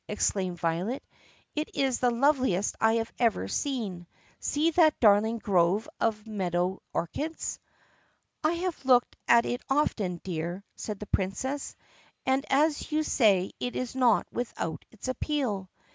exclaimed Violet. "It is the loveliest I have ever seen. See that darling grove of meadow orchids." "I have looked at it often, dear," said the Princess, "and as you say it is not without its appeal."